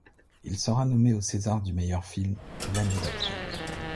Il sera nommé aux césars du meilleur premier film l'année d'après.